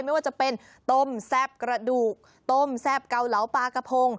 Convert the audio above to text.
ไม่ว่าจะเป็นต้มแซ่บกระดูกต้มแซ่บเกาเหลาปลากระพง